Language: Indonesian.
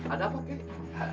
ada apa kek